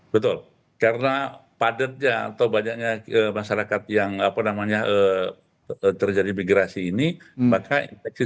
betul karena padatnya atau banyaknya masyarakat yang apa namanya terjadi migrasi ini maka infeksi